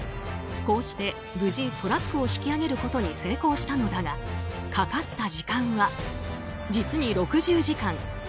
こうして無事トラックを引き上げることに成功したのだがかかった時間は、実に６０時間。